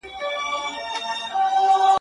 گوندي وي چي یوه ورځ دي ژوند بهتر سي.